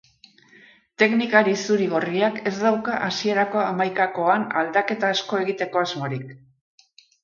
Teknikari zuri-gorriak ez dauka hasierako hamaikakoan aldaketa asko egiteko asmorik.